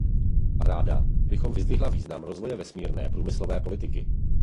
Ráda bych vyzdvihla význam rozvoje vesmírné průmyslové politiky.